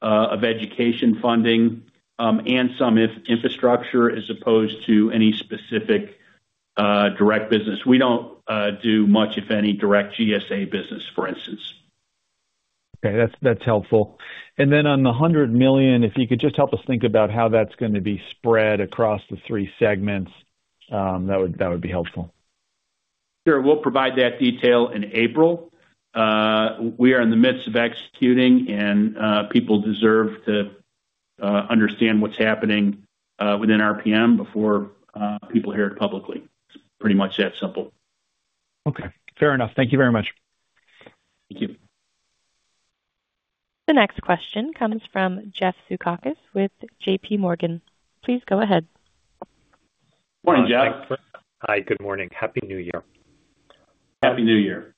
of education funding and some infrastructure as opposed to any specific direct business. We don't do much, if any, direct GSA business, for instance. Okay. That's helpful. And then on the $100 million, if you could just help us think about how that's going to be spread across the three segments, that would be helpful. Sure. We'll provide that detail in April. We are in the midst of executing, and people deserve to understand what's happening within RPM before people hear it publicly. It's pretty much that simple. Okay. Fair enough. Thank you very much. Thank you. The next question comes from Jeffrey Zekauskas with JPMorgan. Please go ahead. Morning, Jeff. Hi. Good morning. Happy New Year. Happy New Year.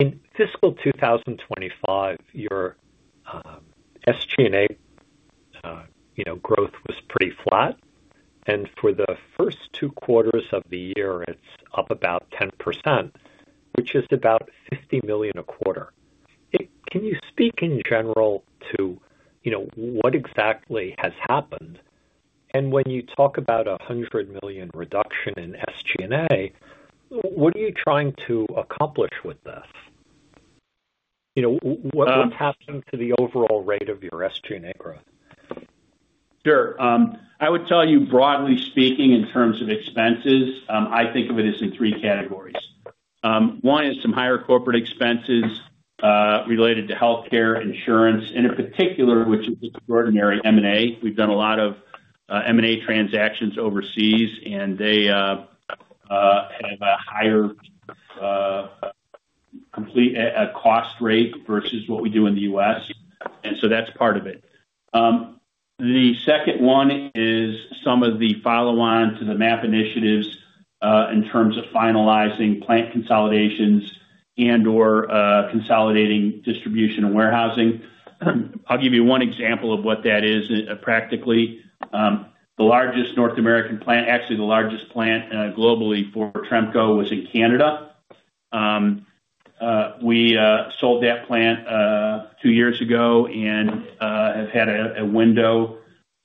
In fiscal 2025, your SG&A growth was pretty flat, and for the first two quarters of the year, it's up about 10%, which is about $50 million a quarter. Can you speak in general to what exactly has happened, and when you talk about a $100 million reduction in SG&A, what are you trying to accomplish with this? What's happening to the overall rate of your SG&A growth? Sure. I would tell you, broadly speaking, in terms of expenses, I think of it as in three categories. One is some higher corporate expenses related to healthcare, insurance, and in particular, which is extraordinary, M&A. We've done a lot of M&A transactions overseas, and they have a higher cost rate versus what we do in the US. And so that's part of it. The second one is some of the follow-on to the MAP initiatives in terms of finalizing plant consolidations and/or consolidating distribution and warehousing. I'll give you one example of what that is practically. The largest North American plant, actually the largest plant globally for Tremco, was in Canada. We sold that plant two years ago and have had a window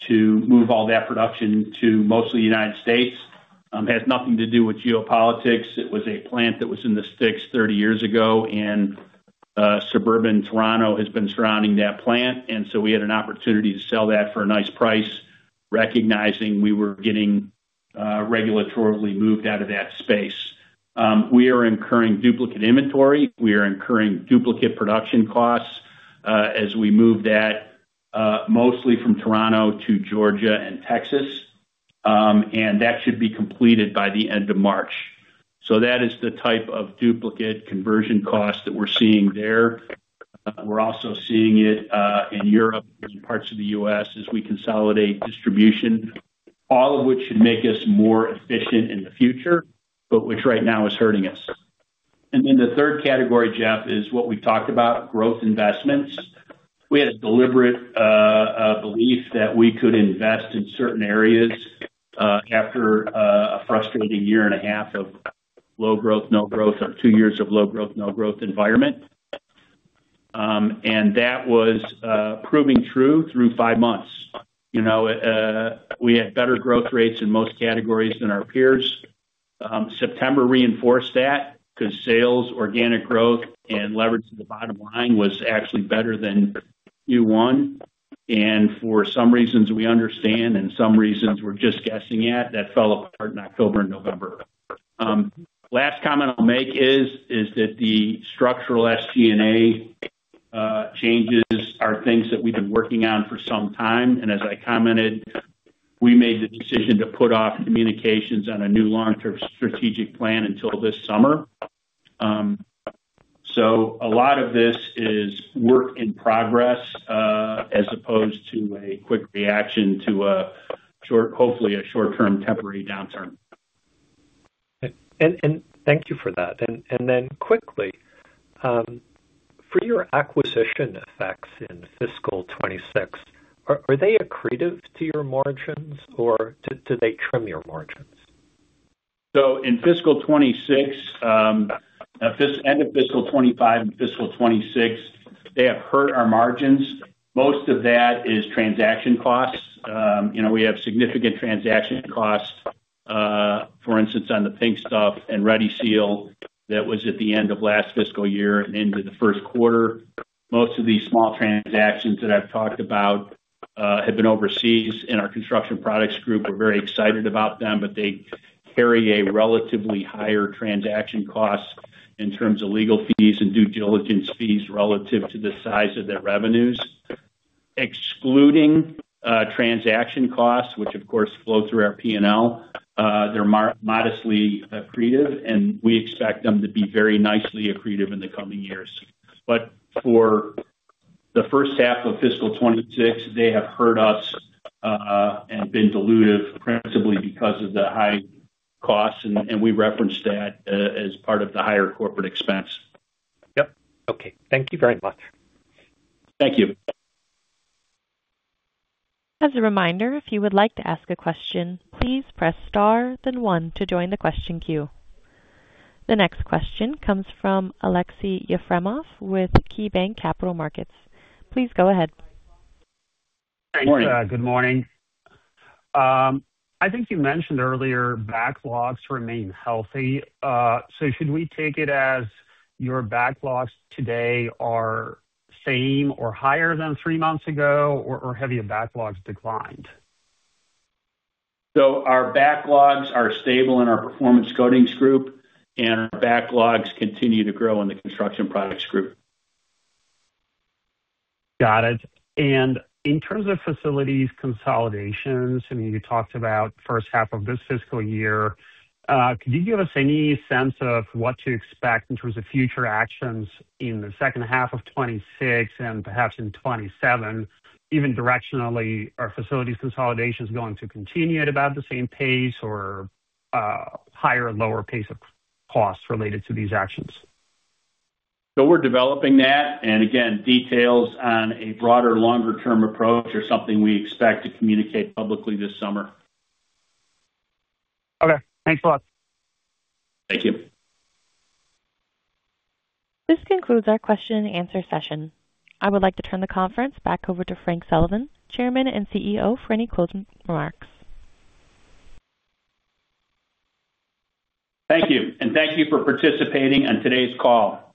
to move all that production to mostly the United States. Has nothing to do with geopolitics. It was a plant that was in the sticks 30 years ago, and suburban Toronto has been surrounding that plant, and so we had an opportunity to sell that for a nice price, recognizing we were getting regulatorily moved out of that space. We are incurring duplicate inventory. We are incurring duplicate production costs as we move that mostly from Toronto to Georgia and Texas, and that should be completed by the end of March. So that is the type of duplicate conversion cost that we're seeing there. We're also seeing it in Europe and parts of the US as we consolidate distribution, all of which should make us more efficient in the future, but which right now is hurting us, and then the third category, Jeff, is what we talked about, growth investments. We had a deliberate belief that we could invest in certain areas after a frustrating year and a half of low growth, no growth, or two years of low growth, no growth environment. And that was proving true through five months. We had better growth rates in most categories than our peers. September reinforced that because sales, organic growth, and leverage to the bottom line was actually better than Q1. And for some reasons we understand and some reasons we're just guessing at, that fell apart in October and November. Last comment I'll make is that the structural SG&A changes are things that we've been working on for some time. And as I commented, we made the decision to put off communications on a new long-term strategic plan until this summer. So a lot of this is work in progress as opposed to a quick reaction to hopefully a short-term temporary downturn. And thank you for that. And then quickly, for your acquisition effects in fiscal 2026, are they accretive to your margins, or do they trim your margins? So in fiscal 2026, end of fiscal 2025 and fiscal 2026, they have hurt our margins. Most of that is transaction costs. We have significant transaction costs, for instance, on the Pink Stuff and Ready Seal that was at the end of last fiscal year and into the first quarter. Most of these small transactions that I've talked about have been overseas in our Construction Products Group. We're very excited about them, but they carry a relatively higher transaction cost in terms of legal fees and due diligence fees relative to the size of their revenues. Excluding transaction costs, which of course flow through our P&L, they're modestly accretive, and we expect them to be very nicely accretive in the coming years. But for the first half of fiscal 2026, they have hurt us and been dilutive principally because of the high costs, and we referenced that as part of the higher corporate expense. Yep. Okay. Thank you very much. Thank you. As a reminder, if you would like to ask a question, please press star, then one to join the question queue. The next question comes from Aleksey Yefremov with KeyBanc Capital Markets. Please go ahead. Morning. Good morning. I think you mentioned earlier backlogs remain healthy. So should we take it as your backlogs today are same or higher than three months ago, or have your backlogs declined? So our backlogs are stable in our Performance Coatings Group, and our backlogs continue to grow in the Construction Products Group. Got it. And in terms of facilities consolidations, I mean, you talked about first half of this fiscal year. Could you give us any sense of what to expect in terms of future actions in the second half of 2026 and perhaps in 2027, even directionally, are facilities consolidations going to continue at about the same pace or higher or lower pace of costs related to these actions? So we're developing that. And again, details on a broader longer-term approach are something we expect to communicate publicly this summer. Okay. Thanks a lot. Thank you. This concludes our question-and-answer session. I would like to turn the conference back over to Frank Sullivan, Chairman and CEO, for any closing remarks. Thank you and thank you for participating on today's call.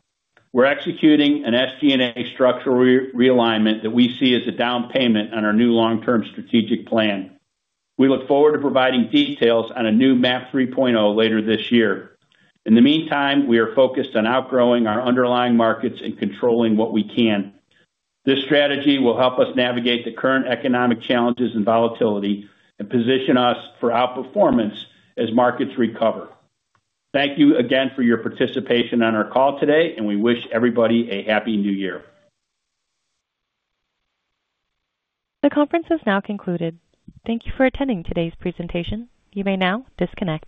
We're executing an SG&A structural realignment that we see as a down payment on our new long-term strategic plan. We look forward to providing details on a new MAP 3.0 later this year. In the meantime, we are focused on outgrowing our underlying markets and controlling what we can. This strategy will help us navigate the current economic challenges and volatility and position us for outperformance as markets recover. Thank you again for your participation on our call today, and we wish everybody a happy New Year. The conference has now concluded. Thank you for attending today's presentation. You may now disconnect.